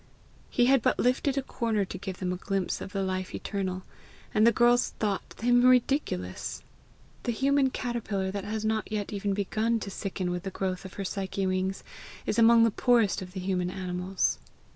He had but lifted a corner to give them a glimpse of the Life eternal, and the girls thought him ridiculous! The human caterpillar that has not yet even begun to sicken with the growth of her psyche wings, is among the poorest of the human animals!